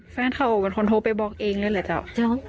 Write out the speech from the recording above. แฟนเขาเป็นคนโทรไปบอกเองเลยเหรอเจ้า